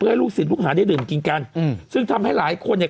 ให้ลูกศิษย์ลูกหาได้ดื่มกินกันอืมซึ่งทำให้หลายคนเนี่ย